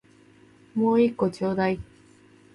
もう一個ちょうだい